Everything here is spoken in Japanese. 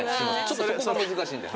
そこが難しいんで。